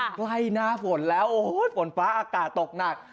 ใกล้หน้าฝนแล้วโอ้โหฝนฟ้าอากาศตกหนัก